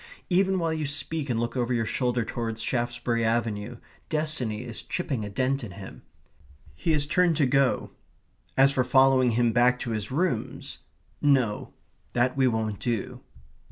Even while you speak and look over your shoulder towards Shaftesbury Avenue, destiny is chipping a dent in him. He has turned to go. As for following him back to his rooms, no that we won't do.